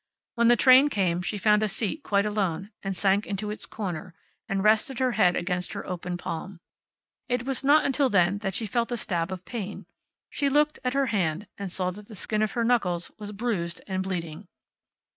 When the train came she found a seat quite alone, and sank into its corner, and rested her head against her open palm. It was not until then that she felt a stab of pain. She looked at her hand, and saw that the skin of her knuckles was bruised and bleeding.